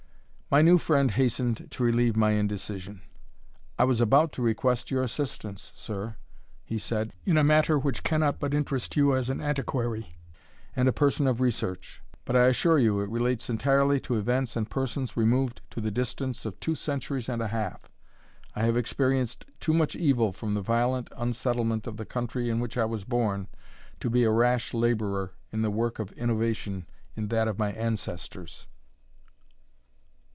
My new friend hastened to relieve my indecision. "I was about to request your assistance, sir," he said, "in a matter which cannot but interest you as an antiquary, and a person of research. But I assure you it relates entirely to events and persons removed to the distance of two centuries and a half. I have experienced too much evil from the violent unsettlement of the country in which I was born, to be a rash labourer in the work of innovation in that of my ancestors."